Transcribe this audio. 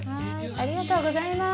ありがとうございます。